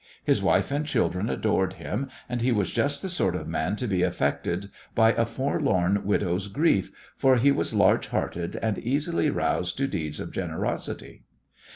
His wife and children adored him, and he was just the sort of man to be affected by a forlorn widow's grief, for he was large hearted and easily roused to deeds of generosity.